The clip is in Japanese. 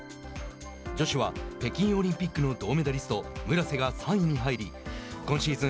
女子は北京オリンピックの銅メダリスト村瀬が３位に入り今シーズン